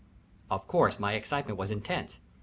Of course my excitement was intense.